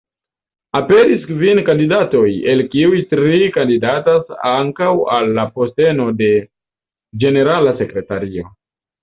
Aperis kvin kandidatoj, el kiuj tri kandidatas ankaŭ al la posteno de ĝenerala sekretario.